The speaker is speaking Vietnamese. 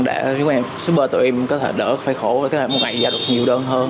để chúng em shipper tụi em có thể đỡ phải khổ và có thể một ngày giao được nhiều đơn hơn